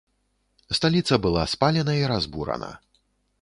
Сталіца была спалена і разбурана.